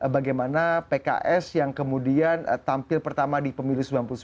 bagaimana pks yang kemudian tampil pertama di pemilu seribu sembilan ratus sembilan puluh sembilan